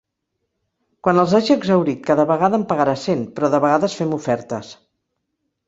Quan els hagi exhaurit cada vegada en pagarà cent, però de vegades fem ofertes.